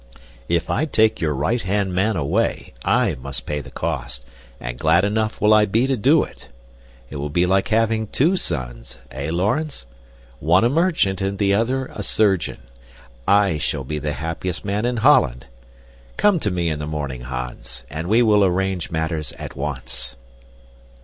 "If I take your right hand man away, I must pay the cost, and glad enough will I be to do it. It will be like having TWO sons, eh, Laurens? One a merchant and the other a surgeon. I shall be the happiest man in Holland! Come to me in the morning, Hans, and we will arrange matters at once."